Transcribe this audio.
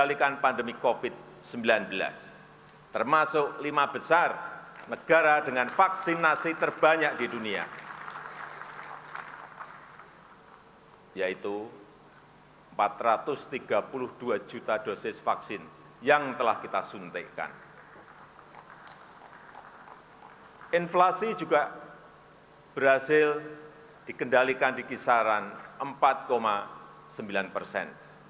inflasi juga berhasil dikendalikan di kisaran empat sembilan persen